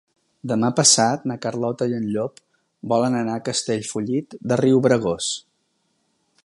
Demà passat na Carlota i en Llop volen anar a Castellfollit de Riubregós.